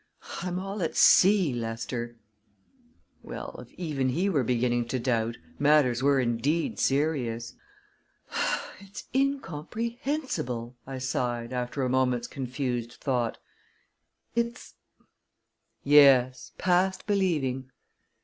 I'm all at sea, Lester." Well, if even he were beginning to doubt, matters were indeed serious! "It's incomprehensible!" I sighed, after a moment's confused thought. "It's " "Yes past believing."